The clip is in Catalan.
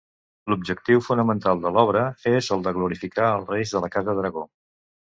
L'objectiu fonamental de l'obra és el de glorificar els reis de la Casa d'Aragó.